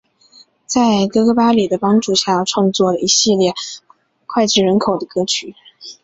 在哥哥巴里的帮助下创作了一系列脍炙人口的歌曲。